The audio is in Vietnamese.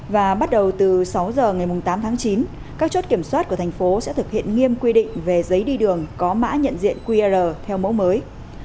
và bắt đầu từ sáu giờ ngày tám tháng chín các chốt kiểm soát của thành phố sẽ thực hiện nghiêm quy định về giấy đi đường có mã nhận diện qr theo mẫu mới